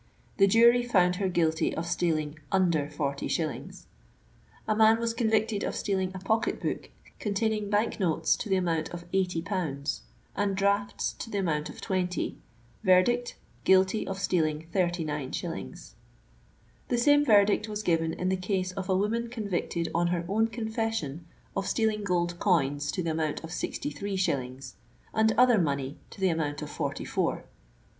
The jury found her guilty of stealing under forty shillings. A man was convicted of stealing a pocket book containing bank notes to •Selections from the London Morning Herald; vol. 2, pp. 225, 6. 5 50 the amount of eighty pounds, and drafts to the amount of twenty ; ^yerdict, guilty of steah'ng thirty nine shillings. The same verdict was given in the case of a woman convicted on her own confession of stealing gold coins to the amount of sixty three shillings, and other money to the amount of forty four.